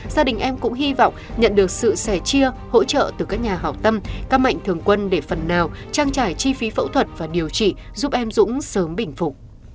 gia đình em cũng hy vọng nhận được sự sẻ chia hỗ trợ từ các nhà hào tâm các mạnh thường quân để phần nào trang trải chi phí phẫu thuật và điều trị giúp em dũng sớm bình phục